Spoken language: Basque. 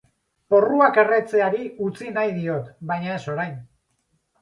Porruak erretzeari utzi nahi diot baina ez orain.